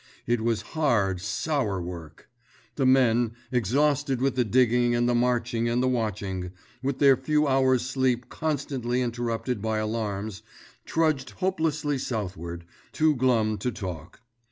It was hard, sour work! The men, exhausted with the digging and the marching and the watching, with their few hours' sleep constantly interrupted by alarms, trudged hopelessly southward, too glum to talk.